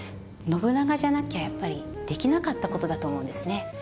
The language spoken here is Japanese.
信長じゃなきゃやっぱりできなかった事だと思うんですね。